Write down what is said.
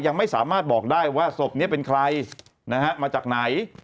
ยังไม่สามารถบอกได้ว่าศพนี้เป็นใครนะฮะมาจากไหน